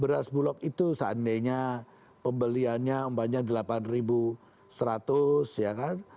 beras bulog itu seandainya pembeliannya umpanya delapan seratus ya kan